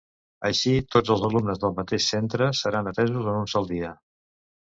Així, tots els alumnes del mateix centre seran atesos en un sol dia.